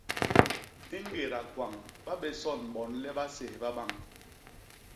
I ñgéda kwañ ba bé son bon le ba séhba bañ.